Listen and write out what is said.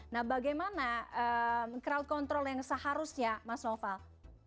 nah bagaimana crowd control yang seharusnya mas noval